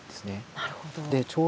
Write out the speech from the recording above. なるほど。